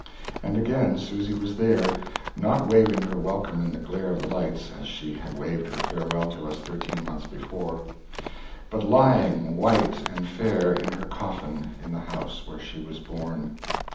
And again Susy was there not waving her welcome in the glare of the lights, as she had waved her farewell to us thirteen months before, but lying white and fair in her coffin, in the house where she was born.